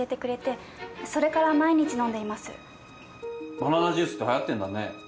バナナジュースってはやってるんだね。